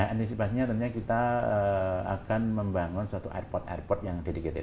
antisipasinya tentunya kita akan membangun suatu airport airport yang dedicated